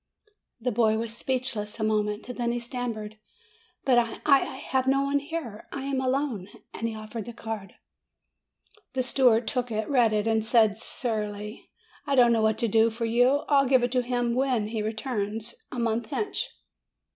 The boy was speechless a moment. Then he stammered, "But I I have no one here ! I am alone !" and he offered the card. The steward took it, read it, and said surlily : "I don't know what to do for you. I'll give it to him when he returns a month hence."